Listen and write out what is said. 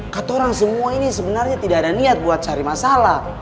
kata orang semua ini sebenarnya tidak ada niat buat cari masalah